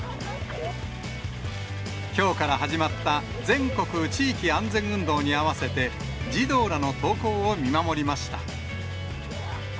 きょうから始まった全国地域安全運動に合わせて、児童らの登校を見守りました。